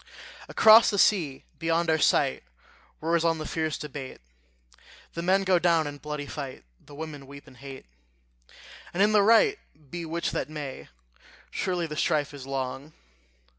Across the sea, beyond our sight, Roars on the fierce debate; The men go down in bloody fight, The women weep and hate; And in the right be which that may, Surely the strife is long!